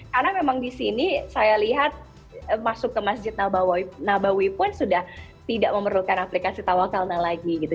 karena memang disini saya lihat masuk ke masjid nabawi pun sudah tidak memerlukan aplikasi tawak kalna lagi gitu